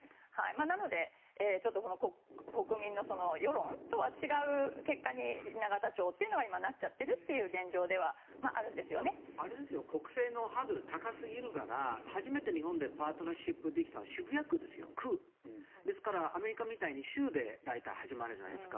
なので、ちょっと国民の世論とは違う結果に永田町が今なっている現状ではあるんですね。国政のハードルが高すぎるから初めて日本でパートナーシップができたのは渋谷区ですよ、区。ですからアメリカみたいに大体、州で始まるじゃないですか。